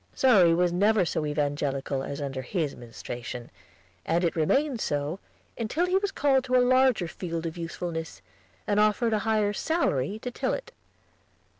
Surrey was never so evangelical as under his ministration, and it remained so until he was called to a larger field of usefulness, and offered a higher salary to till it.